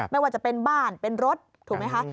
ไม่ว่าจะเป็นบ้านเป็นรถถูกไหมคะ